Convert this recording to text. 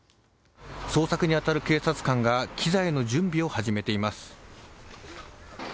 捜索にあたる警察官が機材の準備を始めています。